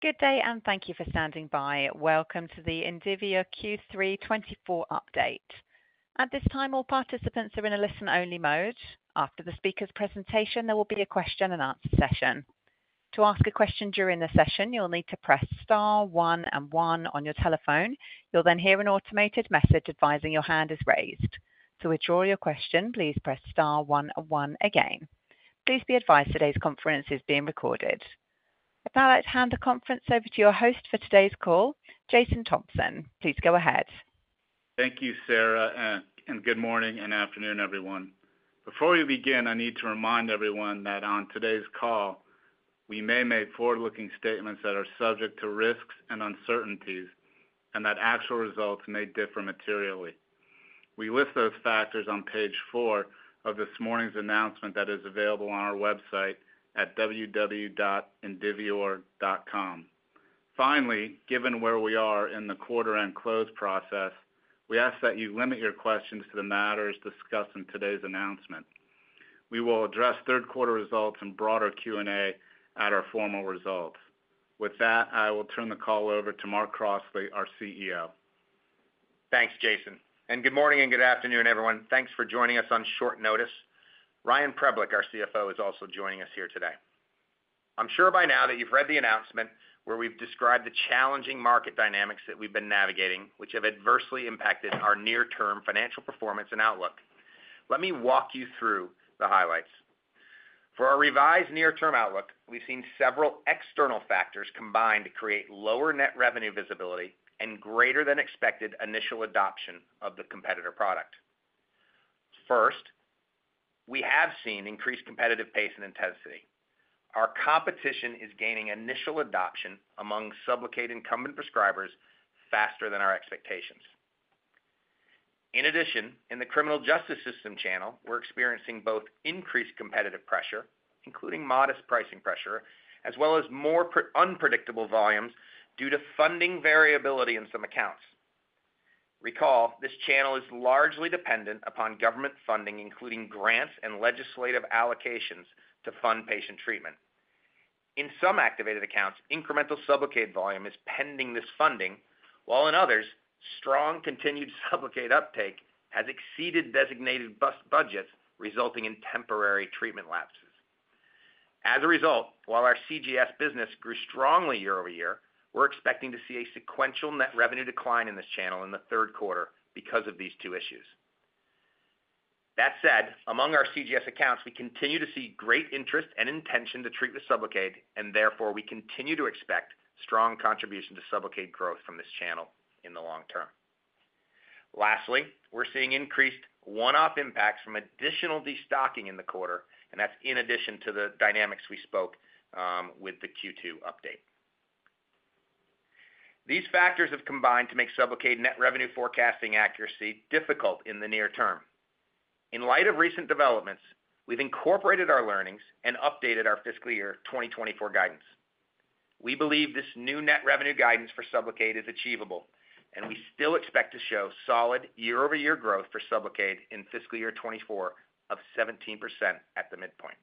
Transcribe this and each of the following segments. Good day, and thank you for standing by. Welcome to the Indivior Q3 2024 update. At this time, all participants are in a listen-only mode. After the speaker's presentation, there will be a question and answer session. To ask a question during the session, you'll need to press star one and one on your telephone. You'll then hear an automated message advising your hand is raised. To withdraw your question, please press star one one again. Please be advised today's conference is being recorded. I'd now like to hand the conference over to your host for today's call, Jason Thompson. Please go ahead. Thank you, Sarah, and good morning and afternoon, everyone. Before we begin, I need to remind everyone that on today's call, we may make forward-looking statements that are subject to risks and uncertainties, and that actual results may differ materially. We list those factors on page four of this morning's announcement that is available on our website at www.indivior.com. Finally, given where we are in the quarter and close process, we ask that you limit your questions to the matters discussed in today's announcement. We will address third quarter results and broader Q&A at our formal results. With that, I will turn the call over to Mark Crossley, our CEO. Thanks, Jason, and good morning and good afternoon, everyone. Thanks for joining us on short notice. Ryan Preblick, our CFO, is also joining us here today. I'm sure by now that you've read the announcement, where we've described the challenging market dynamics that we've been navigating, which have adversely impacted our near-term financial performance and outlook. Let me walk you through the highlights. For our revised near-term outlook, we've seen several external factors combine to create lower net revenue visibility and greater than expected initial adoption of the competitor product. First, we have seen increased competitive pace and intensity. Our competition is gaining initial adoption among SUBLOCADE incumbent prescribers faster than our expectations. In addition, in the criminal justice system channel, we're experiencing both increased competitive pressure, including modest pricing pressure, as well as more unpredictable volumes due to funding variability in some accounts. Recall, this channel is largely dependent upon government funding, including grants and legislative allocations to fund patient treatment. In some activated accounts, incremental SUBLOCADE volume is pending this funding, while in others, strong continued SUBLOCADE uptake has exceeded designated budgets, resulting in temporary treatment lapses. As a result, while our CJS business grew strongly year-over-year, we're expecting to see a sequential net revenue decline in this channel in the third quarter because of these two issues. That said, among our CJS accounts, we continue to see great interest and intention to treat with SUBLOCADE, and therefore, we continue to expect strong contribution to SUBLOCADE growth from this channel in the long term. Lastly, we're seeing increased one-off impacts from additional destocking in the quarter, and that's in addition to the dynamics we spoke with the Q2 update. These factors have combined to make SUBLOCADE net revenue forecasting accuracy difficult in the near term. In light of recent developments, we've incorporated our learnings and updated our fiscal year 2024 guidance. We believe this new net revenue guidance for SUBLOCADE is achievable, and we still expect to show solid year-over-year growth for SUBLOCADE in fiscal year 2024 of 17% at the midpoint.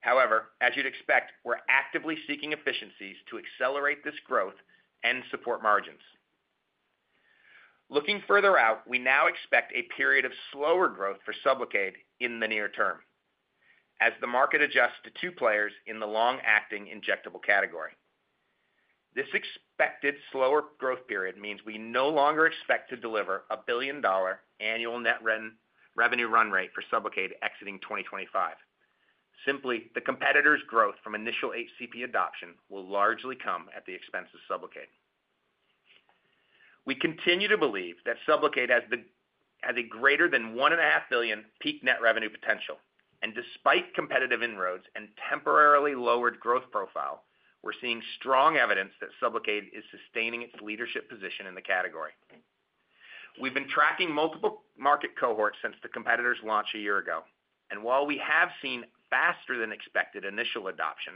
However, as you'd expect, we're actively seeking efficiencies to accelerate this growth and support margins. Looking further out, we now expect a period of slower growth for SUBLOCADE in the near term, as the market adjusts to two players in the long-acting injectable category. This expected slower growth period means we no longer expect to deliver a billion-dollar annual net revenue run rate for SUBLOCADE exiting 2025. Simply, the competitor's growth from initial HCP adoption will largely come at the expense of SUBLOCADE. We continue to believe that SUBLOCADE has a greater than $1.5 billion peak net revenue potential, and despite competitive inroads and temporarily lowered growth profile, we're seeing strong evidence that SUBLOCADE is sustaining its leadership position in the category. We've been tracking multiple market cohorts since the competitor's launch a year ago, and while we have seen faster than expected initial adoption,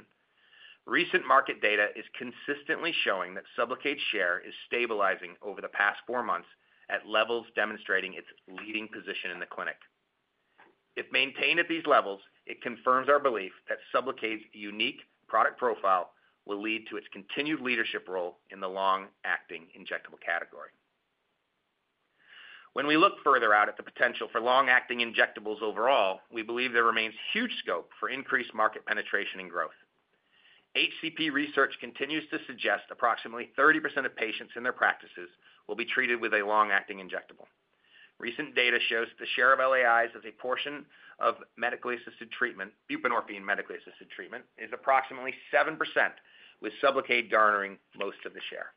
recent market data is consistently showing that SUBLOCADE's share is stabilizing over the past four months at levels demonstrating its leading position in the clinic. If maintained at these levels, it confirms our belief that SUBLOCADE's unique product profile will lead to its continued leadership role in the long-acting injectable category. When we look further out at the potential for long-acting injectables overall, we believe there remains huge scope for increased market penetration and growth. HCP research continues to suggest approximately 30% of patients in their practices will be treated with a long-acting injectable. Recent data shows the share of LAIs as a portion of medically-assisted treatment, buprenorphine medically-assisted treatment, is approximately 7%, with SUBLOCADE garnering most of the share.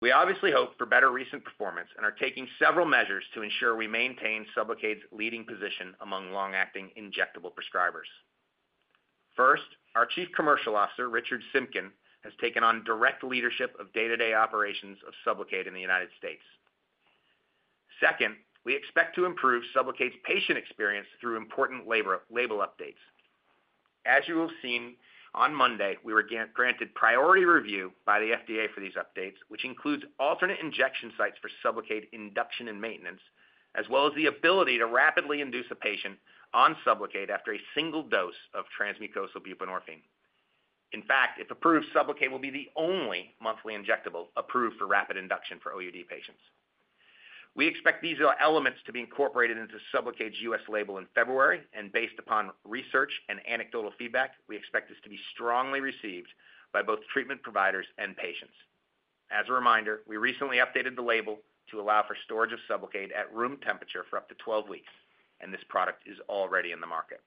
We obviously hope for better recent performance and are taking several measures to ensure we maintain SUBLOCADE's leading position among long-acting injectable prescribers. First, our Chief Commercial Officer, Richard Simkin, has taken on direct leadership of day-to-day operations of SUBLOCADE in the United States. Second, we expect to improve SUBLOCADE's patient experience through important label updates. As you will have seen on Monday, we were granted priority review by the FDA for these updates, which includes alternate injection sites for SUBLOCADE induction and maintenance, as well as the ability to rapidly induce a patient on SUBLOCADE after a single dose of transmucosal buprenorphine. In fact, if approved, SUBLOCADE will be the only monthly injectable approved for rapid induction for OUD patients. We expect these elements to be incorporated into SUBLOCADE's U.S. label in February, and based upon research and anecdotal feedback, we expect this to be strongly received by both treatment providers and patients. As a reminder, we recently updated the label to allow for storage of SUBLOCADE at room temperature for up to 12 weeks, and this product is already in the market.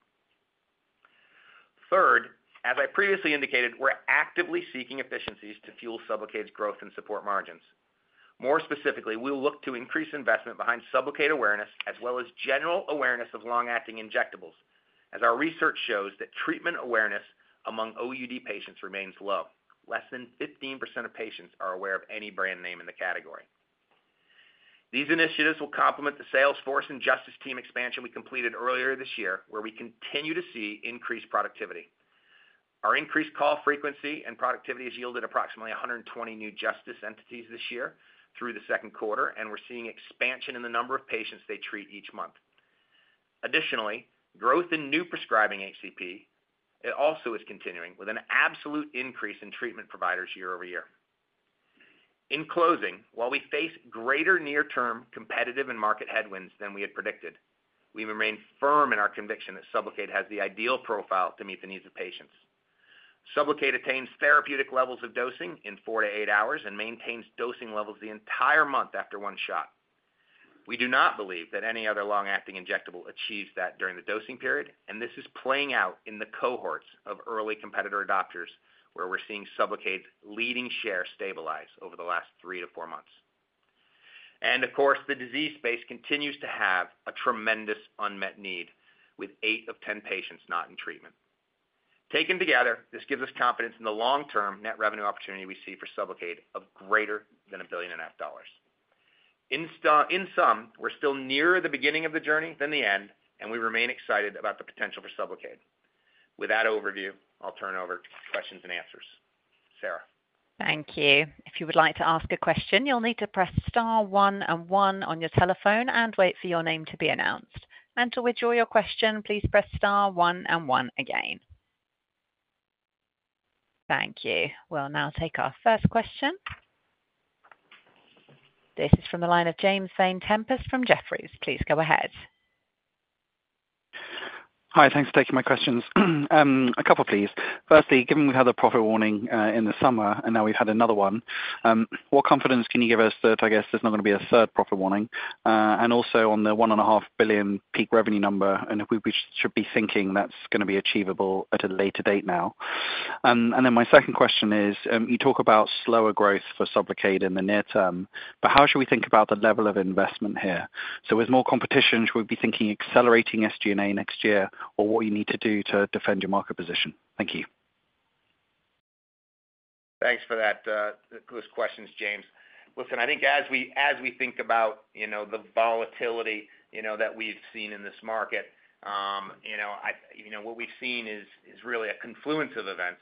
Third, as I previously indicated, we're actively seeking efficiencies to fuel SUBLOCADE's growth and support margins. More specifically, we'll look to increase investment behind SUBLOCADE awareness, as well as general awareness of long-acting injectables, as our research shows that treatment awareness among OUD patients remains low. Less than 15% of patients are aware of any brand name in the category. These initiatives will complement the sales force and Justice team expansion we completed earlier this year, where we continue to see increased productivity. Our increased call frequency and productivity has yielded approximately 120 new Justice entities this year through the second quarter, and we're seeing expansion in the number of patients they treat each month. Additionally, growth in new prescribing HCP. It also is continuing, with an absolute increase in treatment providers year-over-year. In closing, while we face greater near-term competitive and market headwinds than we had predicted, we remain firm in our conviction that SUBLOCADE has the ideal profile to meet the needs of patients. SUBLOCADE attains therapeutic levels of dosing in four-eight hours and maintains dosing levels the entire month after one shot. We do not believe that any other long-acting injectable achieves that during the dosing period, and this is playing out in the cohorts of early competitor adopters, where we're seeing SUBLOCADE's leading share stabilize over the last three-four months, and of course, the disease space continues to have a tremendous unmet need, with eight of 10 patients not in treatment. Taken together, this gives us confidence in the long-term net revenue opportunity we see for SUBLOCADE of greater than $1.5 billion. In sum, we're still nearer the beginning of the journey than the end, and we remain excited about the potential for SUBLOCADE. With that overview, I'll turn over to questions and answers. Sarah? Thank you. If you would like to ask a question, you'll need to press star one and one on your telephone and wait for your name to be announced. And to withdraw your question, please press star one and one again. Thank you. We'll now take our first question. This is from the line of James Vane-Tempest from Jefferies. Please go ahead. Hi, thanks for taking my questions. A couple, please. Firstly, given we had a profit warning in the summer, and now we've had another one, what confidence can you give us that, I guess, there's not going to be a third profit warning? And also on the $1.5 billion peak revenue number, and if we should be thinking that's gonna be achievable at a later date now. And then my second question is, you talk about slower growth for SUBLOCADE in the near term, but how should we think about the level of investment here? So with more competition, should we be thinking accelerating SG&A next year, or what you need to do to defend your market position? Thank you. Thanks for that, those questions, James. Listen, I think as we think about, you know, the volatility, you know, that we've seen in this market, you know, what we've seen is really a confluence of events,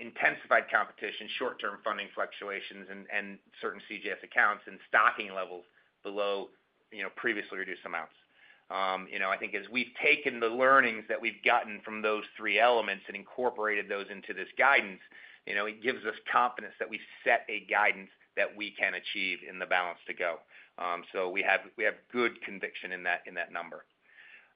intensified competition, short-term funding fluctuations and certain CJS accounts and stocking levels below, you know, previously reduced amounts. I think as we've taken the learnings that we've gotten from those three elements and incorporated those into this guidance, you know, it gives us confidence that we've set a guidance that we can achieve in the balance to go. So we have good conviction in that number.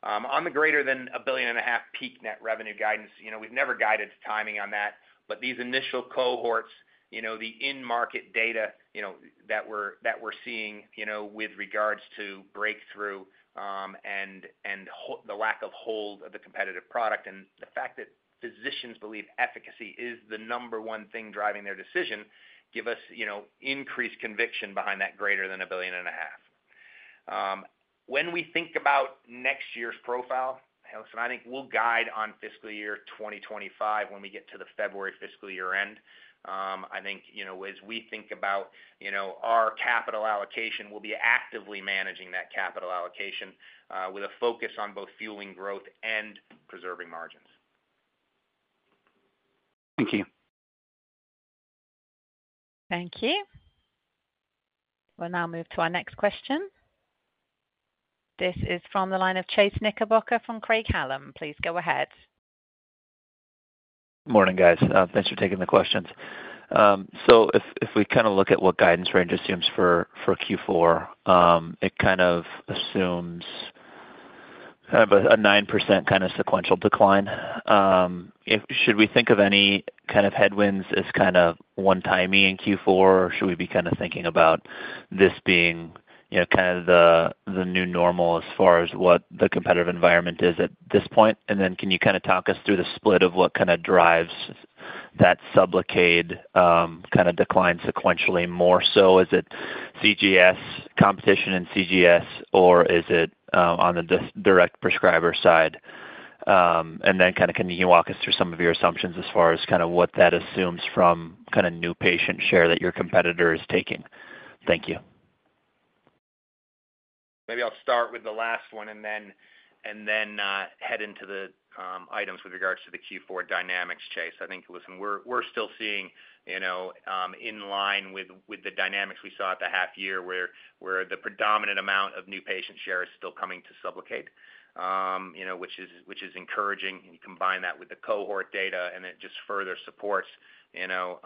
On the greater than $1.5 billion peak net revenue guidance, you know, we've never guided timing on that, but these initial cohorts, you know, the in-market data, you know, that we're seeing, you know, with regards to breakthrough, and the lack of hold of the competitive product, and the fact that physicians believe efficacy is the number one thing driving their decision, give us, you know, increased conviction behind that greater than $1.5 billion. When we think about next year's profile, listen, I think we'll guide on fiscal year 2025 when we get to the February fiscal year end. I think, you know, as we think about, you know, our capital allocation, we'll be actively managing that capital allocation with a focus on both fueling growth and preserving margins. Thank you. Thank you. We'll now move to our next question. This is from the line of Chase Knickerbocker from Craig-Hallum. Please go ahead. Morning, guys. Thanks for taking the questions. So if, if we kind of look at what guidance range assumes for, for Q4, it kind of assumes kind of a, a 9% kind of sequential decline. If... Should we think of any kind of headwinds as kind of one-timey in Q4, or should we be kind of thinking about this being, you know, kind of the, the new normal as far as what the competitive environment is at this point? And then can you kind of talk us through the split of what kind of drives that SUBLOCADE, kind of decline sequentially more? So is it CJS, competition in CJS, or is it, on the direct prescriber side? And then kind of can you walk us through some of your assumptions as far as kind of what that assumes from kind of new patient share that your competitor is taking? Thank you. Maybe I'll start with the last one and then head into the items with regards to the Q4 dynamics, Chase. I think, listen, we're still seeing, you know, in line with the dynamics we saw at the half year, where the predominant amount of new patient share is still coming to SUBLOCADE. You know, which is encouraging, and you combine that with the cohort data, and it just further supports, you know,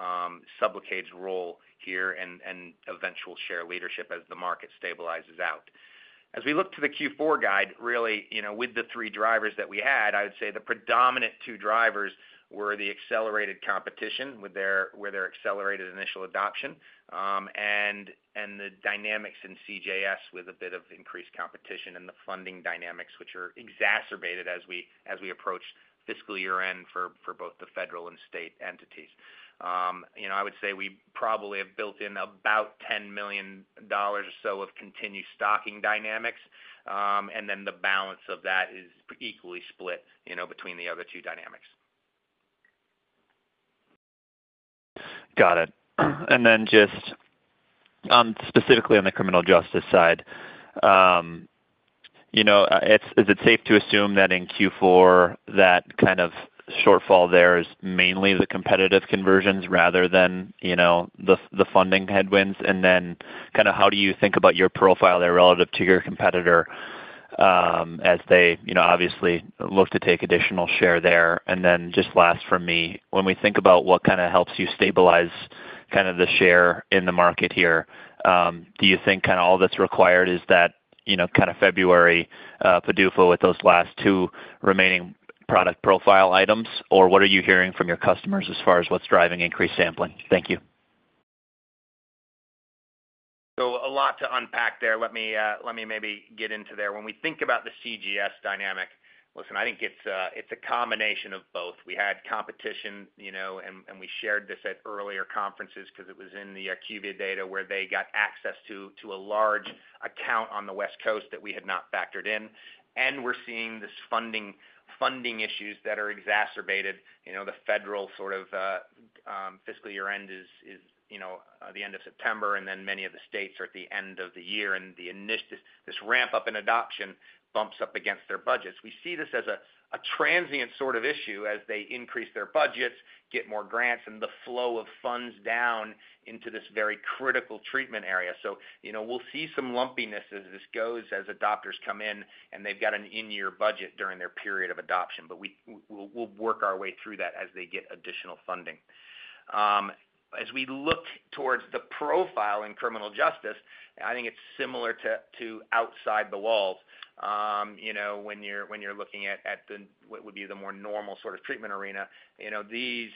SUBLOCADE's role here and eventual share leadership as the market stabilizes out. As we look to the Q4 guide, really, you know, with the three drivers that we had, I would say the predominant two drivers were the accelerated competition with their accelerated initial adoption, and the dynamics in CJS, with a bit of increased competition and the funding dynamics, which are exacerbated as we approach fiscal year-end for both the federal and state entities. You know, I would say we probably have built in about $10 million or so of continued stocking dynamics, and then the balance of that is equally split, you know, between the other two dynamics. Got it. And then just, specifically on the criminal justice side, you know, is it safe to assume that in Q4, that kind of shortfall there is mainly the competitive conversions rather than, you know, the, the funding headwinds? And then kind of how do you think about your profile there relative to your competitor, as they, you know, obviously look to take additional share there? And then just last from me, when we think about what kind of helps you stabilize kind of the share in the market here, do you think kind of all that's required is that, you know, kind of February PDUFA with those last two remaining product profile items? Or what are you hearing from your customers as far as what's driving increased sampling? Thank you. So a lot to unpack there. Let me, let me maybe get into there. When we think about the CJS dynamic, listen, I think it's, it's a combination of both. We had competition, you know, and, and we shared this at earlier conferences because it was in the IQVIA data, where they got access to, to a large account on the West Coast that we had not factored in. And we're seeing this funding issues that are exacerbated, you know, the federal sort of fiscal year-end is, you know, the end of September, and then many of the states are at the end of the year, and this ramp-up in adoption bumps up against their budgets. We see this as a transient sort of issue as they increase their budgets, get more grants, and the flow of funds down into this very critical treatment area, so you know, we'll see some lumpiness as this goes, as adopters come in, and they've got an in-year budget during their period of adoption, but we'll work our way through that as they get additional funding. As we look towards the profile in criminal justice, I think it's similar to outside the walls. You know, when you're looking at what would be the more normal sort of treatment arena, you know, these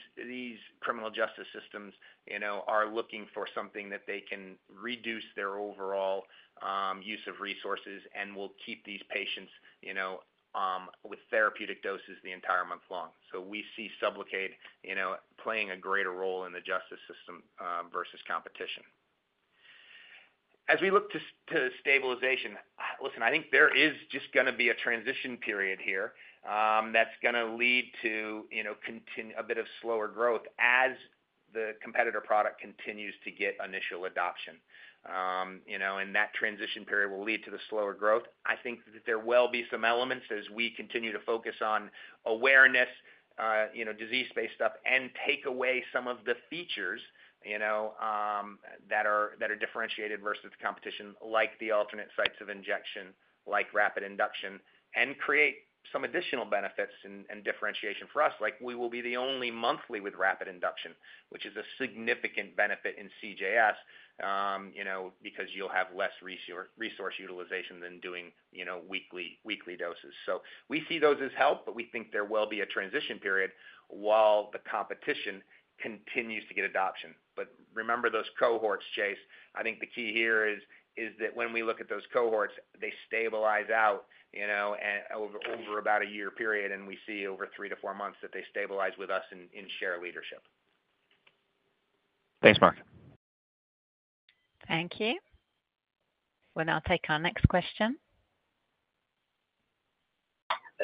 criminal justice systems, you know, are looking for something that they can reduce their overall use of resources and will keep these patients, you know, with therapeutic doses the entire month long. So we see SUBLOCADE, you know, playing a greater role in the justice system versus competition. As we look to stabilization, listen, I think there is just gonna be a transition period here that's gonna lead to, you know, a bit of slower growth as the competitor product continues to get initial adoption. You know, and that transition period will lead to the slower growth. I think that there will be some elements as we continue to focus on awareness, you know, disease-based stuff, and take away some of the features, you know, that are differentiated versus competition, like the alternate sites of injection, like rapid induction, and create some additional benefits and differentiation for us. Like, we will be the only monthly with rapid induction, which is a significant benefit in CJS, you know, because you'll have less resource utilization than doing, you know, weekly doses. So we see those as help, but we think there will be a transition period while the competition continues to get adoption. But remember those cohorts, Chase. I think the key here is that when we look at those cohorts, they stabilize out, you know, and— over about a year period, and we see over three-four months that they stabilize with us in share leadership. Thanks, Mark. Thank you. We'll now take our next question.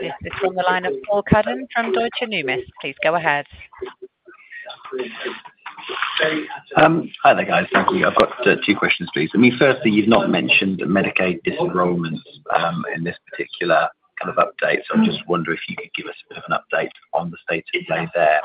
This is from the line of Paul Cuddon from Deutsche Numis. Please go ahead. Hi there, guys. Thank you. I've got two questions please. I mean, firstly, you've not mentioned Medicaid disenrollments in this particular kind of update. So I'm just wondering if you could give us a bit of an update on the state of play there.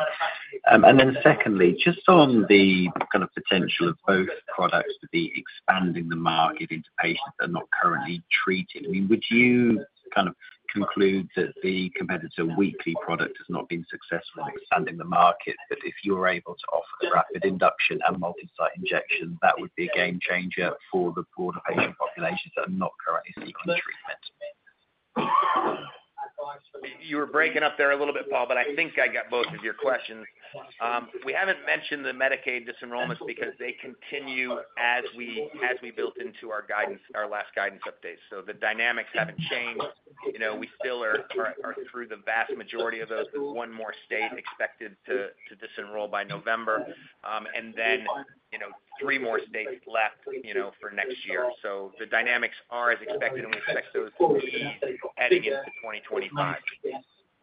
And then secondly, just on the kind of potential of both products to be expanding the market into patients that are not currently treated, I mean, would you kind of conclude that the competitor weekly product has not been successful in expanding the market? That if you were able to offer rapid induction and multi-site injection, that would be a game changer for the broader patient populations that are not currently seeking treatment. You were breaking up there a little bit, Paul, but I think I got both of your questions. We haven't mentioned the Medicaid disenrollments because they continue as we built into our guidance, our last guidance update. So the dynamics haven't changed. You know, we still are through the vast majority of those, with one more state expected to disenroll by November. And then, you know, three more states left, you know, for next year. So the dynamics are as expected, and we expect those to be heading into 2025.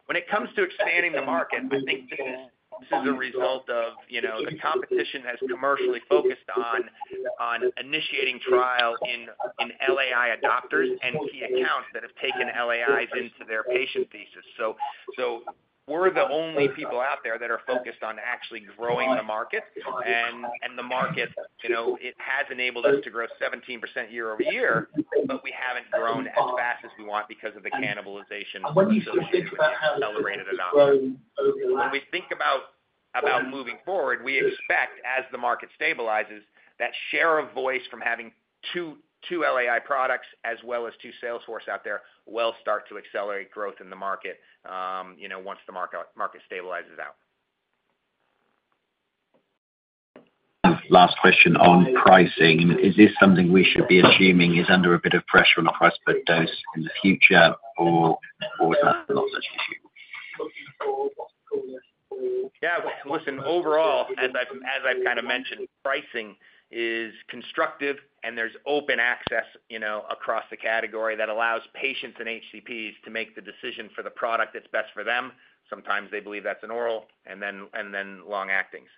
When it comes to expanding the market, I think this is a result of, you know, the competition has commercially focused on initiating trial in LAI adopters and key accounts that have taken LAIs into their patient thesis. So we're the only people out there that are focused on actually growing the market. And the market, you know, it has enabled us to grow 17% year-over-year, but we haven't grown as fast as we want because of the cannibalization associated with the accelerated adoption. When we think about moving forward, we expect as the market stabilizes, that share of voice from having two, two LAI products as well as two sales forces out there, will start to accelerate growth in the market, you know, once the market stabilizes out. Last question on pricing. Is this something we should be assuming is under a bit of pressure on price per dose in the future, or is that not an issue? Yeah, listen, overall, as I've, as I've kind of mentioned, pricing is constructive, and there's open access, you know, across the category that allows patients and HCPs to make the decision for the product that's best for them. Sometimes they believe that's an oral and then, and then long-actings.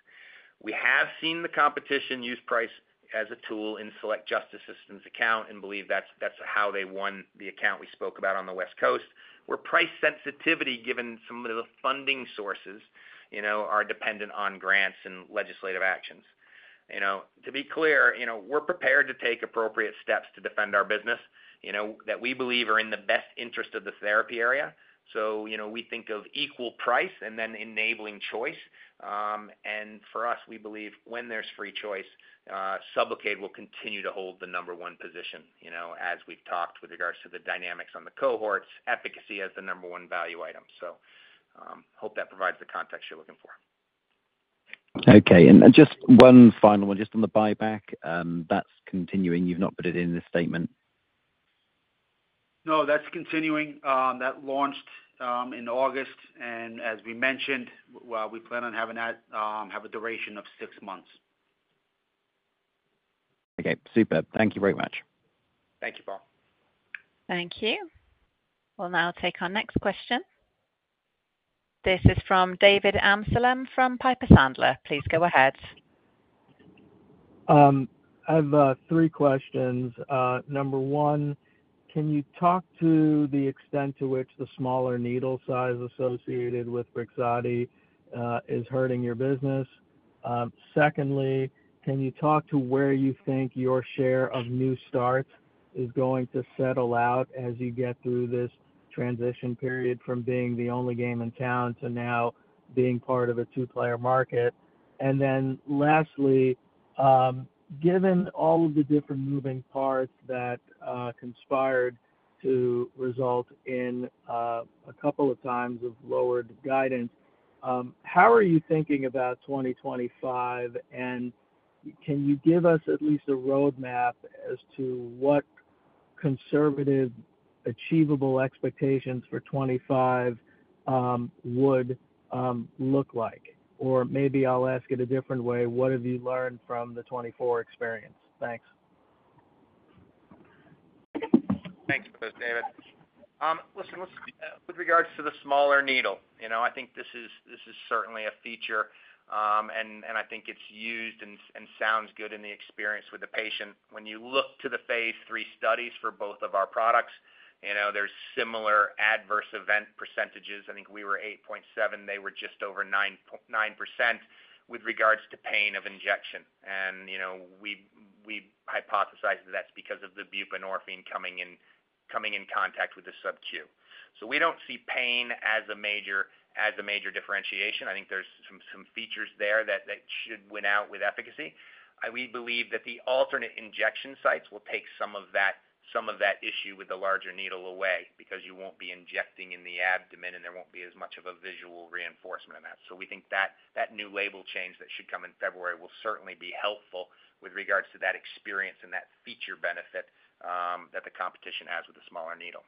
We have seen the competition use price as a tool in select justice system accounts, and believe that's, that's how they won the account we spoke about on the West Coast, where price sensitivity, given some of the funding sources, you know, are dependent on grants and legislative actions. You know, to be clear, you know, we're prepared to take appropriate steps to defend our business, you know, that we believe are in the best interest of the therapy area. So, you know, we think of equal price and then enabling choice. And for us, we believe when there's free choice, SUBLOCADE will continue to hold the number one position, you know, as we've talked with regards to the dynamics on the cohorts, efficacy as the number one value item. So, hope that provides the context you're looking for. Okay. And then just one final one, just on the buyback, that's continuing. You've not put it in the statement. No, that's continuing. That launched in August, and as we mentioned, well, we plan on having that have a duration of six months. Okay, super. Thank you very much. Thank you, Paul. Thank you. We'll now take our next question. This is from David Amsellem from Piper Sandler. Please go ahead. I have three questions. Number one, can you talk to the extent to which the smaller needle size associated with BRIXADI is hurting your business? Secondly, can you talk to where you think your share of new starts is going to settle out as you get through this transition period from being the only game in town to now being part of a two-player market? And then lastly, given all of the different moving parts that conspired to result in a couple of times of lowered guidance, how are you thinking about 2025, and can you give us at least a roadmap as to what conservative, achievable expectations for 2025 would look like? Or maybe I'll ask it a different way. What have you learned from the 2024 experience? Thanks. Thanks for those, David. Listen, with regards to the smaller needle, you know, I think this is certainly a feature, and I think it's used and sounds good in the experience with the patient. When you look to the phase III studies for both of our products, you know, there's similar adverse event percentages. I think we were 8.7%, they were just over 9% with regards to pain of injection. And, you know, we've hypothesized that that's because of the buprenorphine coming in contact with the [sub-Q]. So we don't see pain as a major differentiation. I think there's some features there that should win out with efficacy. We believe that the alternate injection sites will take some of that issue with the larger needle away because you won't be injecting in the abdomen and there won't be as much of a visual reinforcement in that. So we think that new label change that should come in February will certainly be helpful with regards to that experience and that feature benefit that the competition has with the smaller needle.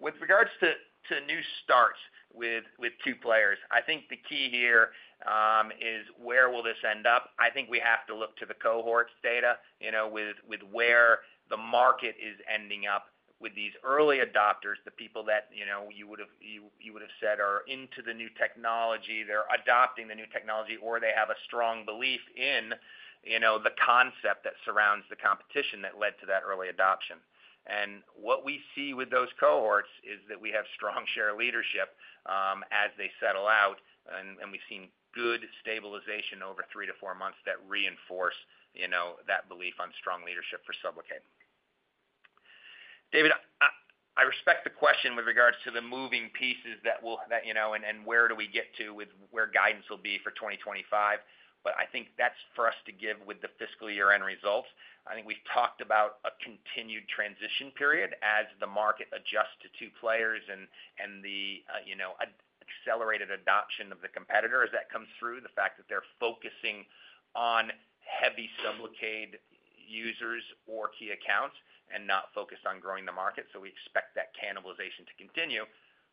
With regards to new starts with two players, I think the key here is where will this end up? I think we have to look to the cohorts data, you know, with where the market is ending up with these early adopters, the people that, you know, you would have said are into the new technology, they're adopting the new technology, or they have a strong belief in, you know, the concept that surrounds the competition that led to that early adoption. And what we see with those cohorts is that we have strong share leadership, as they settle out, and we've seen good stabilization over three-four months that reinforce, you know, that belief on strong leadership for SUBLOCADE. David, I respect the question with regards to the moving pieces that will... that, you know, and where do we get to with where guidance will be for 2025, but I think that's for us to give with the fiscal year-end results. I think we've talked about a continued transition period as the market adjusts to two players and the, you know, accelerated adoption of the competitor as that comes through, the fact that they're focusing on heavy SUBLOCADE users or key accounts and not focused on growing the market. So we expect that cannibalization to continue.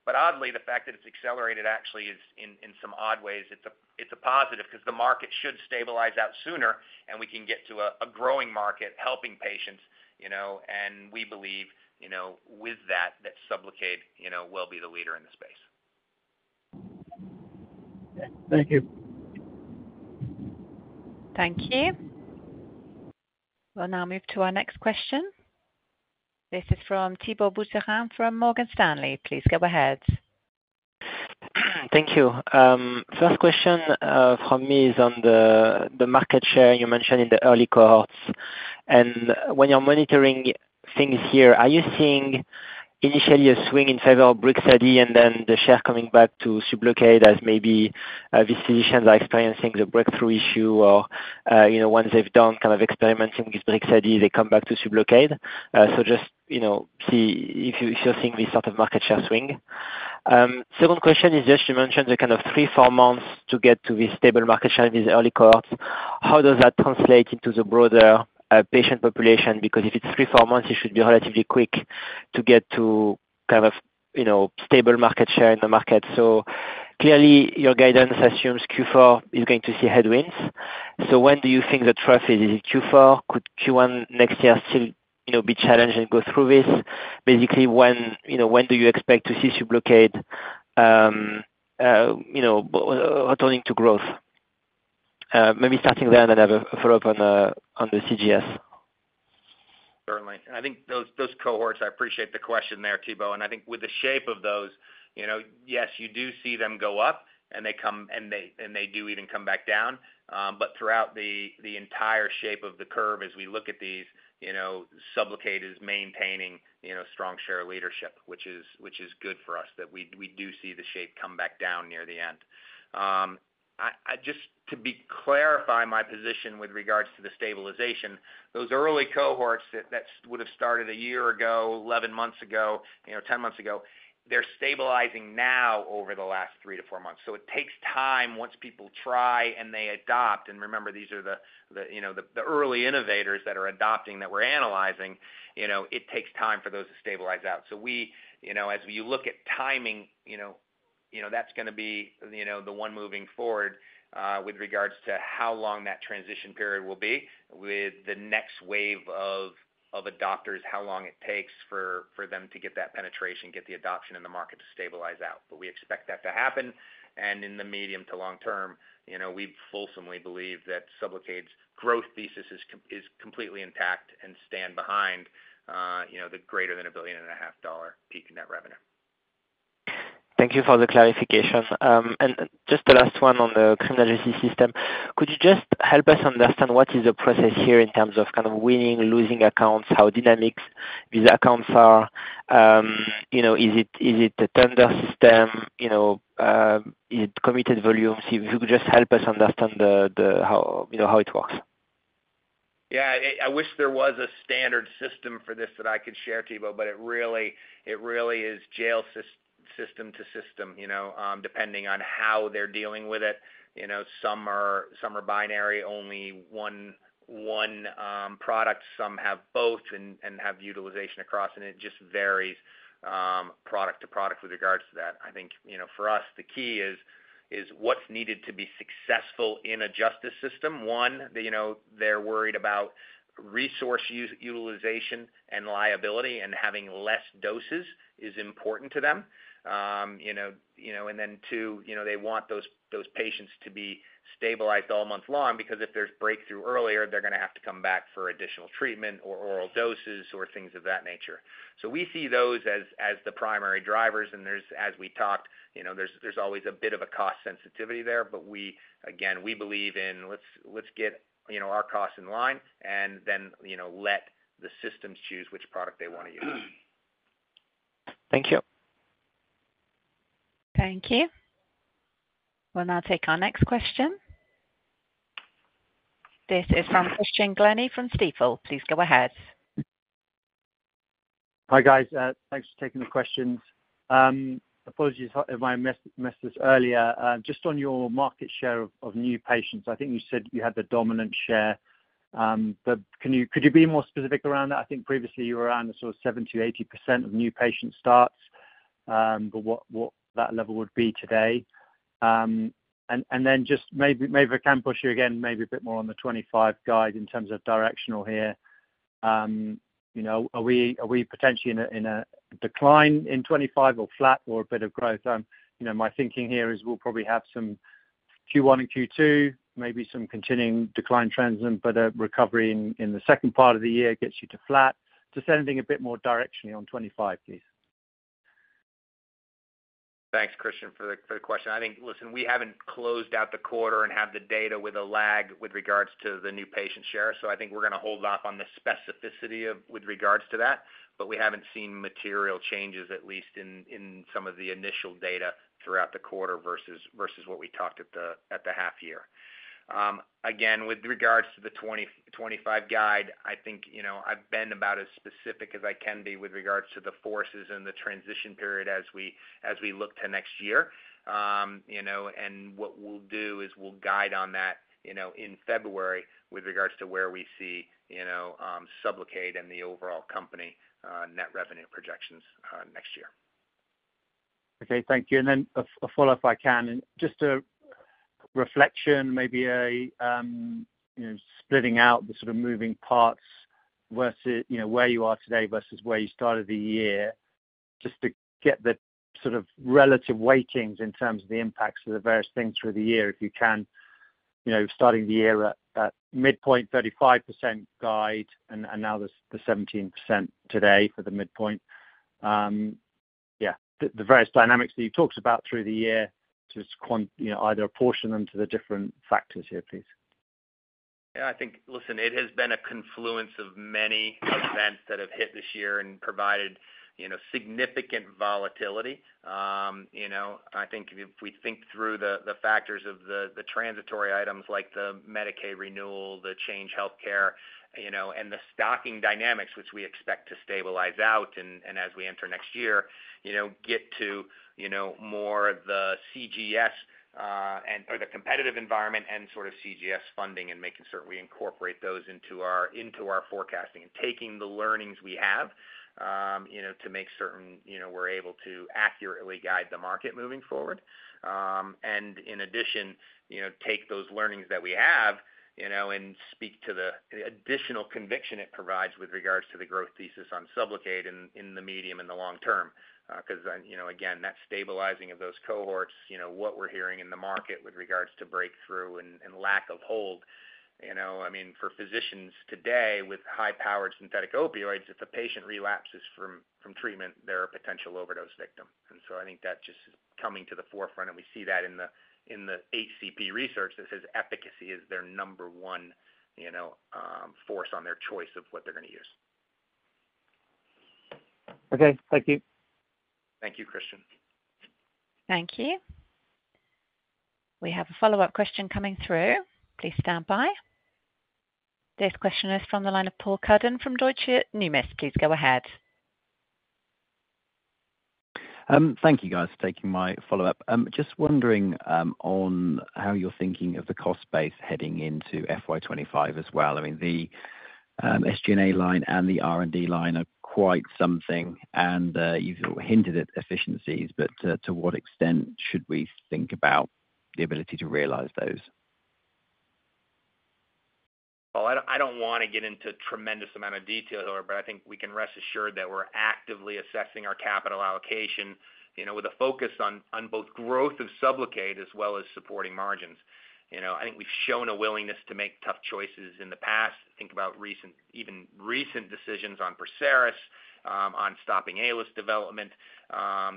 But oddly, the fact that it's accelerated actually is in some odd ways, it's a positive because the market should stabilize out sooner and we can get to a growing market helping patients, you know, and we believe, you know, with that, that SUBLOCADE, you know, will be the leader in this space. Thank you. Thank you. We'll now move to our next question. This is from Thibault Boutherin from Morgan Stanley. Please go ahead. Thank you. First question from me is on the market share you mentioned in the early cohorts. When you're monitoring things here, are you seeing initially a swing in favor of BRIXADI and then the share coming back to SUBLOCADE as maybe these solutions are experiencing the breakthrough issue or you know, once they've done kind of experimenting with BRIXADI, they come back to SUBLOCADE? So just you know, see if you if you're seeing this sort of market share swing. Second question is just you mentioned the kind of three, four months to get to this stable market share in these early cohorts. How does that translate into the broader patient population? Because if it's three, four months, it should be relatively quick to get to kind of you know, stable market share in the market. So clearly, your guidance assumes Q4 is going to see headwinds. So when do you think the trough is? Is it Q4? Could Q1 next year still, you know, be challenged and go through this? Basically, when, you know, when do you expect to see SUBLOCADE, you know, turning to growth? Maybe starting there and another follow-up on the CJS. Certainly. I think those cohorts, I appreciate the question there, Thibault, and I think with the shape of those, you know, yes, you do see them go up, and they come and they do even come back down. But throughout the entire shape of the curve, as we look at these, you know, SUBLOCADE is maintaining, you know, strong share leadership, which is good for us, that we do see the shape come back down near the end. I just to clarify my position with regards to the stabilization, those early cohorts that would have started a year ago, 11 months ago, you know, 10 months ago, they're stabilizing now over the last three-four months. So it takes time once people try and they adopt, and remember, these are the you know the early innovators that are adopting, that we're analyzing, you know, it takes time for those to stabilize out. So we, you know, as we look at timing, you know, that's gonna be, you know, the one moving forward with regards to how long that transition period will be with the next wave of adopters, how long it takes for them to get that penetration, get the adoption in the market to stabilize out. But we expect that to happen, and in the medium to long term, you know, we fulsomely believe that SUBLOCADE's growth thesis is completely intact and stand behind, you know, the greater than $1.5 billion peak in net revenue. Thank you for the clarification. And just the last one on the criminal justice system. Could you just help us understand what is the process here in terms of kind of winning, losing accounts, how dynamic these accounts are? You know, is it, is it a tender system, you know, is it committed volumes? If you could just help us understand the how, you know, how it works. Yeah, I, I wish there was a standard system for this that I could share, Thibault, but it really, it really is jail system to system, you know, depending on how they're dealing with it. You know, some are, some are binary, only one, one product. Some have both and, and have utilization across, and it just varies, product to product with regards to that. I think, you know, for us, the key is, is what's needed to be successful in a justice system? One, you know, they're worried about resource utilization and liability, and having less doses is important to them. You know, you know, and then two, you know, they want those, those patients to be stabilized all month long, because if there's breakthrough earlier, they're gonna have to come back for additional treatment or oral doses or things of that nature. So we see those as the primary drivers, and there's, as we talked, you know, there's always a bit of a cost sensitivity there. But we, again, we believe in let's get, you know, our costs in line and then, you know, let the systems choose which product they want to use. Thank you. Thank you. We'll now take our next question. This is from Christian Glennie from Stifel. Please go ahead. Hi, guys, thanks for taking the questions. Apologies if I missed this earlier. Just on your market share of new patients, I think you said you had the dominant share. But could you be more specific around that? I think previously you were around sort of 70%, 80% of new patient starts, but what that level would be today? And then just maybe I can push you again, maybe a bit more on the 2025 guide in terms of directional here. You know, are we potentially in a decline in 2025 or flat or a bit of growth? You know, my thinking here is we'll probably have some Q1 and Q2, maybe some continuing decline trends, but a recovery in the second part of the year gets you to flat. Just anything a bit more directionally on 2025, please. Thanks, Christian, for the question. I think. Listen, we haven't closed out the quarter and have the data with a lag with regards to the new patient share, so I think we're gonna hold off on the specificity of with regards to that. But we haven't seen material changes, at least in some of the initial data throughout the quarter versus what we talked at the half year. Again, with regards to the 2025 guide, I think, you know, I've been about as specific as I can be with regards to the forces and the transition period as we look to next year. You know, and what we'll do is we'll guide on that, you know, in February with regards to where we see, you know, SUBLOCADE and the overall company net revenue projections next year. Okay. Thank you, and then a follow-up, if I can. Just a reflection, maybe, you know, splitting out the sort of moving parts versus, you know, where you are today versus where you started the year, just to get the sort of relative weightings in terms of the impacts of the various things through the year, if you can. You know, starting the year at midpoint 35% guide, and now the 17% today for the midpoint. Yeah, the various dynamics that you've talked about through the year, just you know, either apportion them to the different factors here, please. Yeah, I think, listen, it has been a confluence of many events that have hit this year and provided, you know, significant volatility. You know, I think if we think through the factors of the transitory items like the Medicaid renewal, the Change Healthcare, you know, and the stocking dynamics, which we expect to stabilize out, and as we enter next year, you know, get to, you know, more of the CJS, and or the competitive environment and sort of CJS funding and making certain we incorporate those into our forecasting. Taking the learnings we have, you know, to make certain, you know, we're able to accurately guide the market moving forward. And in addition, you know, take those learnings that we have, you know, and speak to the additional conviction it provides with regards to the growth thesis on SUBLOCADE in, in the medium and the long term. Because, you know, again, that stabilizing of those cohorts, you know, what we're hearing in the market with regards to breakthrough and, and lack of hold, you know, I mean, for physicians today with high-powered synthetic opioids, if a patient relapses from, from treatment, they're a potential overdose victim. And so I think that's just coming to the forefront, and we see that in the, in the HCP research that says efficacy is their number one, you know, force on their choice of what they're going to use. Okay. Thank you. Thank you, Christian. Thank you. We have a follow-up question coming through. Please stand by. This question is from the line of Paul Cuddon from Deutsche Numis. Please go ahead. Thank you, guys, for taking my follow-up. Just wondering, on how you're thinking of the cost base heading into FY 2025 as well. I mean, the SG&A line and the R&D line are quite something, and you've hinted at efficiencies, but to what extent should we think about the ability to realize those? I don't want to get into a tremendous amount of detail, but I think we can rest assured that we're actively assessing our capital allocation, you know, with a focus on both growth of SUBLOCADE as well as supporting margins. You know, I think we've shown a willingness to make tough choices in the past. Think about recent, even recent decisions on PERSERIS, on stopping ALS development,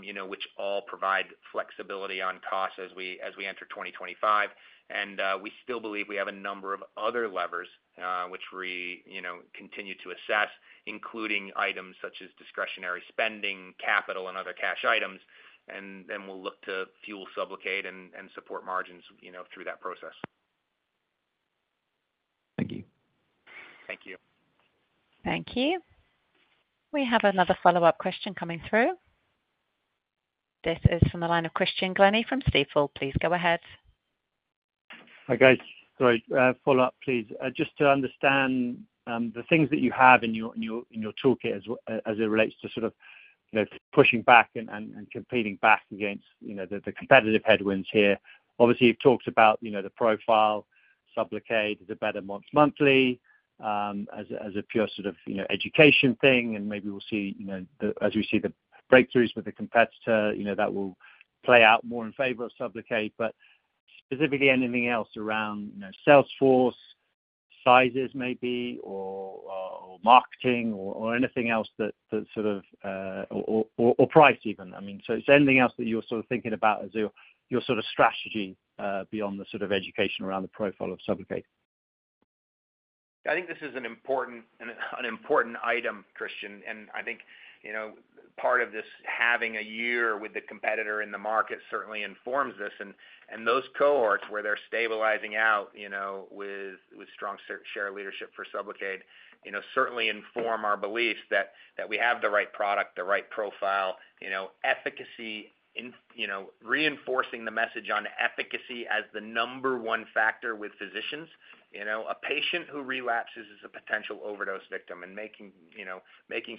you know, which all provide flexibility on costs as we enter 2025. We still believe we have a number of other levers, which we, you know, continue to assess, including items such as discretionary spending, capital, and other cash items. We'll look to fuel SUBLOCADE and support margins, you know, through that process. Thank you. Thank you. Thank you. We have another follow-up question coming through. This is from the line of Christian Glennie from Stifel. Please go ahead. Hi, guys. Great. Follow up, please. Just to understand, the things that you have in your toolkit as it relates to sort of, you know, pushing back and competing back against, you know, the competitive headwinds here. Obviously, you've talked about, you know, the profile, SUBLOCADE is a better once monthly, as a pure sort of, you know, education thing, and maybe we'll see, you know, as we see the breakthroughs with the competitor, you know, that will play out more in favor of SUBLOCADE. But specifically anything else around, you know, sales force, sizes maybe, or marketing or anything else that sort of, or price even? I mean, so is there anything else that you're sort of thinking about as your sort of strategy beyond the sort of education around the profile of SUBLOCADE? I think this is an important item, Christian, and I think, you know, part of this having a year with a competitor in the market certainly informs this. And those cohorts where they're stabilizing out, you know, with strong share leadership for SUBLOCADE, you know, certainly inform our beliefs that we have the right product, the right profile, you know, efficacy, in, you know, reinforcing the message on efficacy as the number one factor with physicians. You know, a patient who relapses is a potential overdose victim, and making, you know,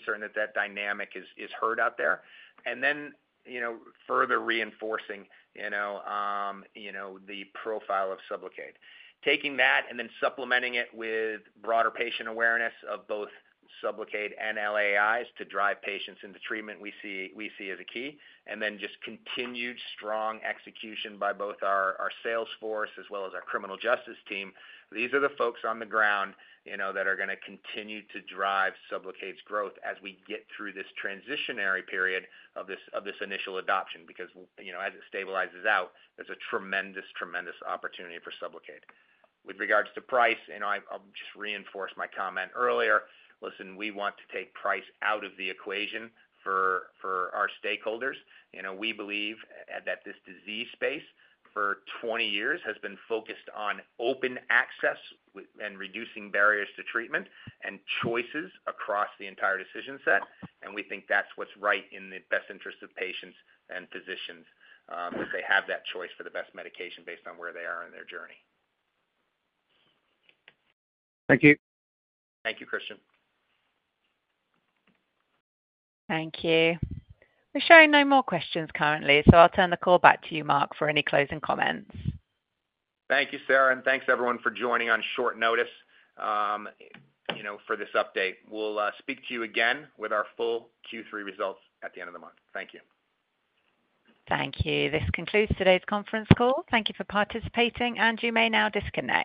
certain that that dynamic is heard out there. And then, you know, further reinforcing, you know, the profile of SUBLOCADE. Taking that and then supplementing it with broader patient awareness of both SUBLOCADE and LAIs to drive patients into treatment, we see, we see as a key, and then just continued strong execution by both our, our sales force as well as our criminal justice team. These are the folks on the ground, you know, that are going to continue to drive SUBLOCADE's growth as we get through this transitionary period of this, of this initial adoption, because, you know, as it stabilizes out, there's a tremendous, tremendous opportunity for SUBLOCADE. With regards to price, and I- I'll just reinforce my comment earlier: Listen, we want to take price out of the equation for, for our stakeholders. You know, we believe that this disease space for 20 years has been focused on open access and reducing barriers to treatment and choices across the entire decision set, and we think that's what's right in the best interest of patients and physicians, that they have that choice for the best medication based on where they are in their journey. Thank you. Thank you, Christian. Thank you. We're showing no more questions currently, so I'll turn the call back to you, Mark, for any closing comments. Thank you, Sarah, and thanks everyone for joining on short notice, you know, for this update. We'll speak to you again with our full Q3 results at the end of the month. Thank you. Thank you. This concludes today's conference call. Thank you for participating, and you may now disconnect.